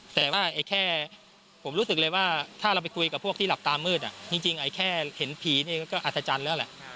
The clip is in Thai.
แต่ว่าแค่ผมรู้สึกเลยว่าถ้าเราไปคุยกับพวกที่หลับตามืดจริงไอ้แค่เห็นผีนี่ก็อัศจรรย์แล้วแหละ